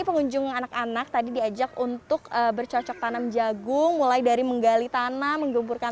pengunjung anak anak tadi diajak untuk bercocok tanam jagung mulai dari menggali tanah mengguburkan